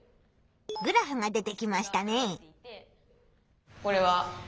グラフが出てきましたね。